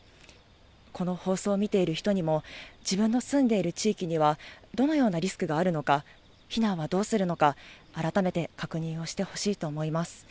この放送を見ている人にも、自分の住んでいる地域にはどのようなリスクがあるのか、避難はどうするのか、改めて確認をしてほしいと思います。